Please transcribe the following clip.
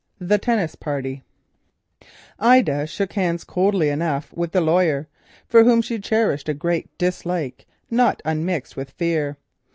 THE TENNIS PARTY Ida shook hands coldly enough with the lawyer, for whom she cherished a dislike not unmixed with fear.